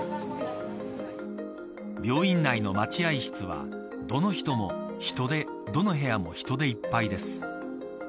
病院内の待合室はどの部屋も人でいっぱいです。